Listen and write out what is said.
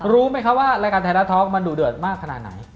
รู้ไหมคะว่ารายการแทนะทอล์กมันดุเดิดมากขนาดไหน